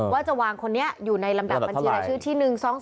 ว่าจะวางคนนี้อยู่ในลำดับบัญชีรายชื่อที่๑๒๒